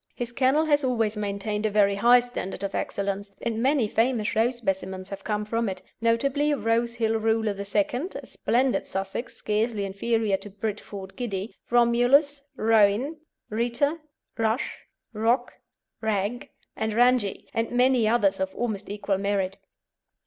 His kennel has always maintained a very high standard of excellence, and many famous show specimens have come from it, notably Rosehill Ruler II. (a splendid Sussex, scarcely inferior to Bridford Giddie), Romulus, Roein, Rita, Rush, Rock, Rag, and Ranji, and many others of almost equal merit.